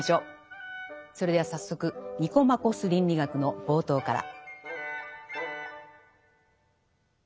それでは早速「ニコマコス倫理学」の冒頭から。